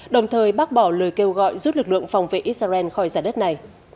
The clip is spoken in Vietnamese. đồng thời bác bỏ lời kêu gọi rút lực lượng phòng vệ israel khỏi giả đất này